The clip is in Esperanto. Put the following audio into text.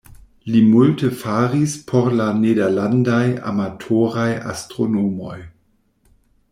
Li multe faris por la nederlandaj amatoraj astronomoj.